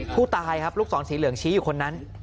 ผู้ตายครับลูกศรสีเหลืองชี้อยู่คนนั้น